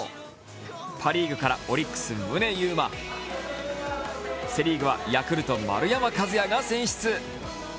パ・リーグからオリックス・宗佑磨、セ・リーグはヤクルト・丸山和郁が選出。